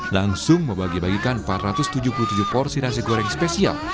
langsung membagi bagikan empat ratus tujuh puluh tujuh porsi nasi goreng spesial